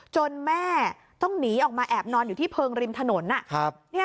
แม่ต้องหนีออกมาแอบนอนอยู่ที่เพลิงริมถนน